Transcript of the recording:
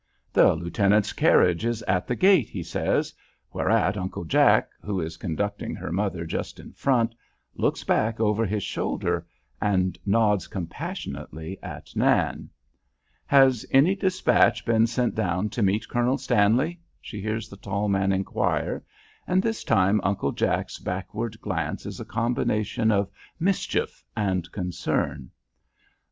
"The lieutenant's carriage is at the gate," he says, whereat Uncle Jack, who is conducting her mother just in front, looks back over his shoulder and nods compassionately at Nan. "Has any despatch been sent down to meet Colonel Stanley?" she hears the tall man inquire, and this time Uncle Jack's backward glance is a combination of mischief and concern.